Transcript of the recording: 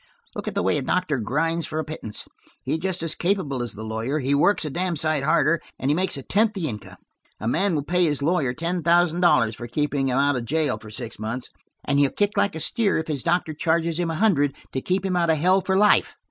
"Look at the way a doctor grinds for a pittance! He's just as capable as the lawyer; he works a damn sight harder, and he makes a tenth the income. A man will pay his lawyer ten thousand dollars for keeping him out of jail for six months, and he'll kick like a steer if his doctor charges him a hundred to keep him out of hell for life!